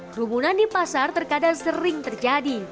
kerumunan di pasar terkadang sering terjadi